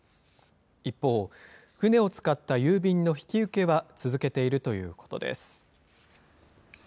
一方、船を使った郵便の引き受けは続けているということです。